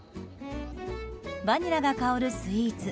バニラが香るスイーツ